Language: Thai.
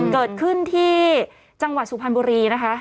เกิดขึ้นที่จังหวัดสุพรรณบุรีนะคะ